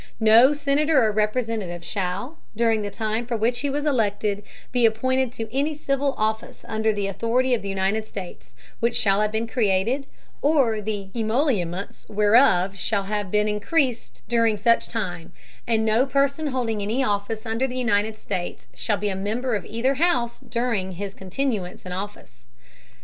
No Senator or Representative shall, during the Time for which he was elected, be appointed to any civil Office under the Authority of the United States, which shall have been created, or the Emoluments whereof shall have been encreased during such time; and no Person holding any Office under the United States, shall be a Member of either House during his Continuance in Office.